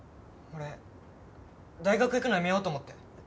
俺大学行くのやめようと思って。